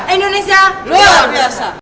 indonesia luar biasa